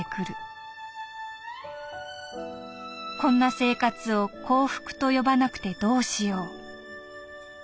「こんな生活を幸福と呼ばなくてどうしよう」。